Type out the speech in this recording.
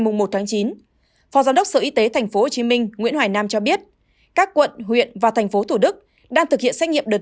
phó giám đốc sở y tế tp hcm nguyễn hoài nam cho biết các quận huyện và tp thủ đức đang thực hiện xét nghiệm đợt hai